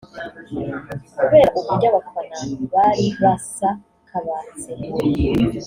kubera uburyo abafana bari basakabatse